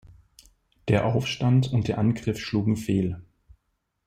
Der Aufstand und der Angriff schlugen fehl.